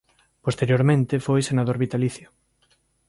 Posteriormente foi senador vitalicio.